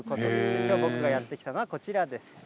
きょう、僕がやって来たのはこちらです。